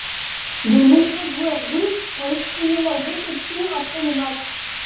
De nombreux joueurs russes ont exprimé leur déception après le match.